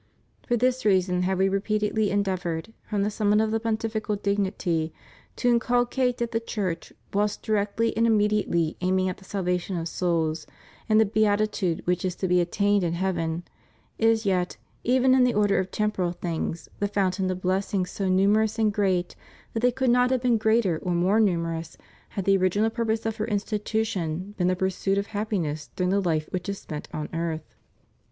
For this reason have We repeatedly endeavored, from the summit of the pontifical dignity, to inculcate that the Church, whilst directly and immediately aiming at the salvation of souls and the beatitude which is to be attained in heaven, is yet, even in the order of temporal things, the fountain of blessings so numerous and great that they could not have been greater or more numerous had the original purpose of her institution been the pursuit of happiness during the hfe which is spent on earth.